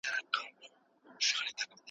د مسلمانانو او ذمیانو ترمنځ عدالت واجب دی.